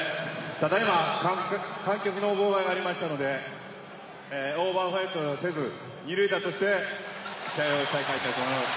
ただいま、観客の妨害がありましたので、オーバーフェンスとせず、２塁打として試合を再開いたします。